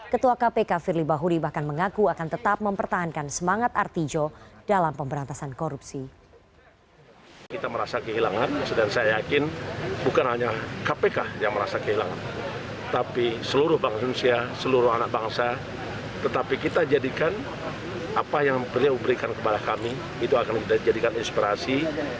ketua kpk firly bahuri bahkan mengaku akan tetap mempertahankan semangat artijo dalam pemberantasan korupsi